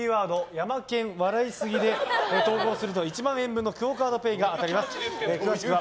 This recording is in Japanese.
「＃ヤマケン笑いすぎ」で投稿すると１万円分のＱＵＯカードＰａｙが毎日１０名様に当たります。